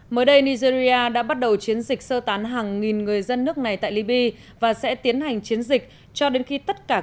mới đây nigeria đã bắt đầu chiến dịch sơ tán hàng nghìn người dân nước này tại libya và sẽ tiến hành chiến dịch cho đến khi tất cả